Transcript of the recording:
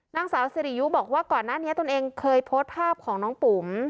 นางสาวสิริยุบอกว่าก่อนหน้านี้ตนเองเคยโพสต์ภาพของน้องปุ๋ม